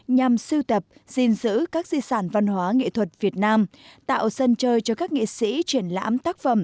nhằm siêu tập gìn giữ các di sản văn hóa nghệ thuật việt nam tạo sân chơi cho các nghệ sĩ triển lãm tác phẩm